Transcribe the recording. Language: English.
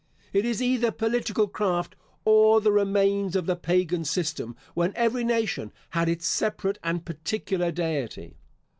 It is either political craft or the remains of the Pagan system, when every nation had its separate and particular deity.